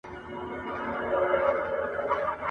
د سکندر لېچي وې ماتي !.